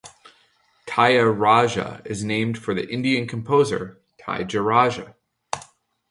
Tyagaraja is named for the Indian composer Tyagaraja.